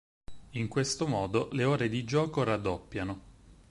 In questo modo le ore di gioco raddoppiano.